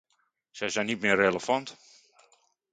Zij zijn niet meer relevant.